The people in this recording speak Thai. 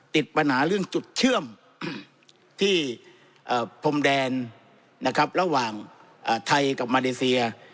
ติดปัญหาเรื่องจุดเชื่อมที่พรมแดนนะครับระหว่างไทยกับมาเลเซีย